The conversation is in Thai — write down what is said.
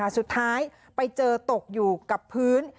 สุดท้ายไปเจอตกอยู่กับพื้น